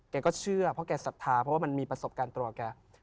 แกก็เชื่อเพราะแกศรัทธาเพราะว่ามันมีประสบการณ์ตัวแก